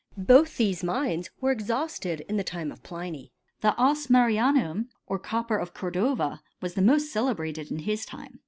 Both these mines were exhausted in the time of Pliny. The ess marianum^ or copper of Cor dova, was the most celebrated in his time.